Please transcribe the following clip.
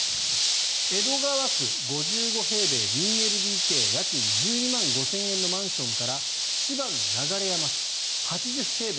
江戸川区、５５平米、２ＬＤＫ家賃１２万５０００円のマンションから千葉の流山市８０平米。